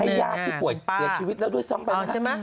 ญาติที่ป่วยเสียชีวิตแล้วด้วยซ้ำไปไหม